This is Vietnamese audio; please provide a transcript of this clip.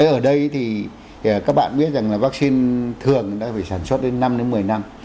ở đây thì các bạn biết rằng là vaccine thường đã phải sản xuất đến năm đến một mươi năm